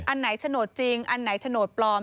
อันไหนโฉนดจริงอันไหนโฉนดปลอม